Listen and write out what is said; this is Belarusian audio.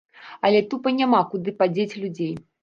Але тупа няма куды падзець людзей.